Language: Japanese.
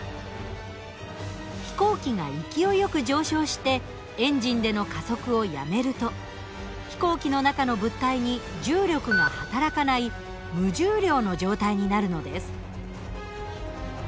飛行機が勢いよく上昇してエンジンでの加速をやめると飛行機の中の物体に重力が働かない無重量の状態になるのです。